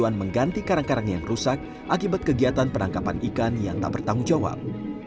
dan tujuan mengganti karang karangnya yang rusak akibat kegiatan penangkapan ikan yang tak bertanggung jawab